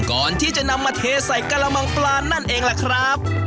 ก่อนที่จะนำมาเทใส่กระมังปลานั่นเองล่ะครับ